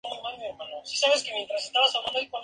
El paso de misterio de la Hermandad del Prendimiento.